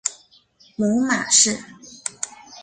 母马氏。